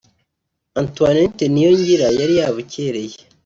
Antoinette Niyongira yari yabukereye